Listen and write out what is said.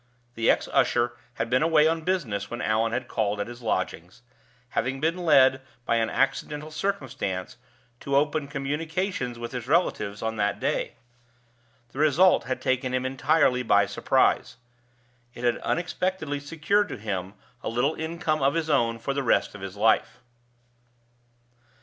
The ex usher had been away on business when Allan had called at his lodgings, having been led by an accidental circumstance to open communications with his relatives on that day. The result had taken him entirely by surprise: it had unexpectedly secured to him a little income of his own for the rest of his life.